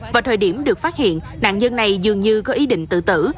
vào thời điểm được phát hiện nạn nhân này dường như có ý định tự tử